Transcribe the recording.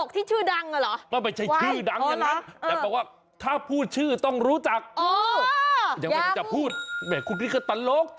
ตลกที่ชื่อดังนั่นเหรอ